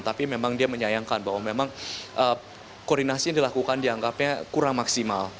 tapi memang dia menyayangkan bahwa memang koordinasi yang dilakukan dianggapnya kurang maksimal